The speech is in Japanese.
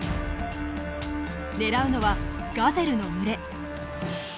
狙うのはガゼルの群れ。